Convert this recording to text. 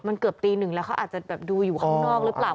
มันเกือบตีหนึ่งแล้วเขาอาจจะแบบดูอยู่ข้างนอกหรือเปล่า